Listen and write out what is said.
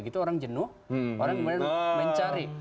gitu orang jenuh orang kemudian mencari